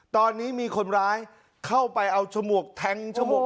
ตอนนี้มีคนร้ายเข้าไปเอาฉมวกแทงจมูก